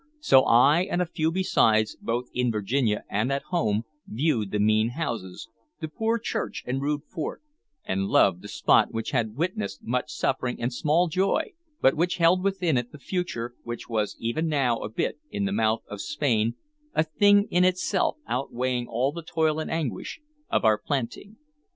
So I and a few besides, both in Virginia and at home, viewed the mean houses, the poor church and rude fort, and loved the spot which had witnessed much suffering and small joy, but which held within it the future, which was even now a bit in the mouth of Spain, a thing in itself outweighing all the toil and anguish of our planting.